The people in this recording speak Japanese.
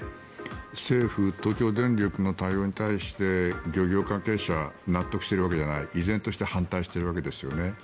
政府、東京電力の対応に対して漁業関係者納得しているわけじゃない依然として反対しているわけですよね。